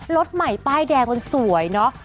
รถใหม่ป้ายแดงมันสวยเนอะ